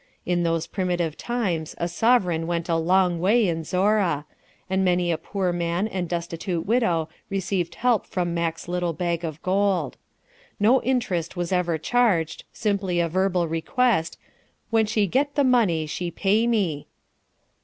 In those primitive times a sovereign went a long way in Zorra, and many a poor man and destitute widow received help from Mack's little bag of gold. No interest was ever charged, simply a verbal request, 'when she get the money she pay me.'